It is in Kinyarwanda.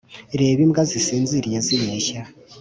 reka imbwa zisinziriye zibeshya